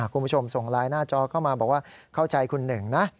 คุณผู้ชมส่งไลน์หน้าจอเข้ามาบอกว่าเข้าใจคุณหนึ่งนะ